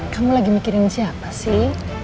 kamu lagi mikirin siapa sih